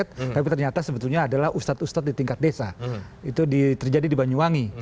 tapi ternyata sebetulnya adalah ustadz ustadz di tingkat desa itu terjadi di banyuwangi